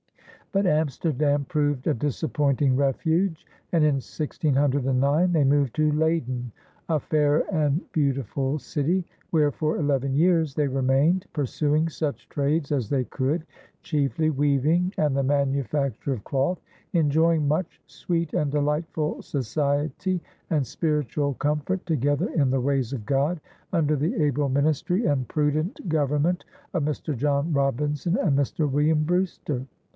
But Amsterdam proved a disappointing refuge. And in 1609 they moved to Leyden, "a fair and bewtifull citie," where for eleven years they remained, pursuing such trades as they could, chiefly weaving and the manufacture of cloth, "injoying much sweete and delightful societie and spiritual comfort togeather in the ways of God, under the able ministrie and prudente governmente of Mr. John Robinson and Mr. William Brewster."